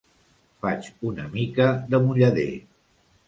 Faig una mica de mullader.